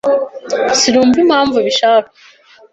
Sinumva impamvu ubishaka.